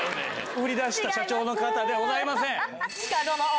売り出した社長の方ではございません。